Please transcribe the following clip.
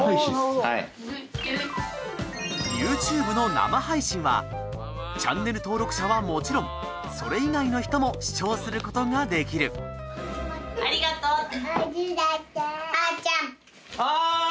ＹｏｕＴｕｂｅの生配信はチャンネル登録者はもちろんそれ以外の人も視聴することができる「ありがとう」って。